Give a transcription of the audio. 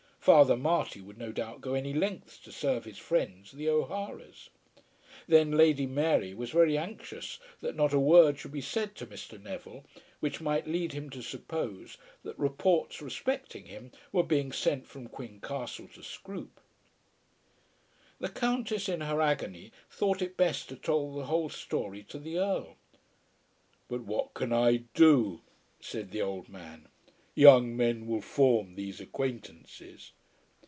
Father Marty would no doubt go any lengths to serve his friends the O'Haras. Then Lady Mary was very anxious that not a word should be said to Mr. Neville which might lead him to suppose that reports respecting him were being sent from Quin Castle to Scroope. The Countess in her agony thought it best to tell the whole story to the Earl. "But what can I do?" said the old man. "Young men will form these acquaintances."